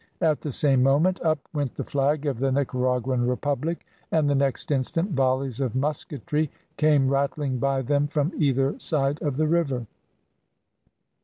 At the same moment up went the flag of the Nicaraguan republic, and the next instant volleys of musketry came rattling by them from either side of the river.